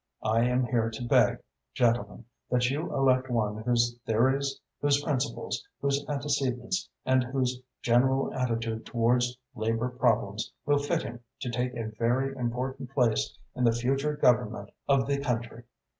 I am here to beg, gentlemen, that you elect one whose theories, whose principles, whose antecedents and whose general attitude towards labour problems will fit him to take a very important place in the future government of the country."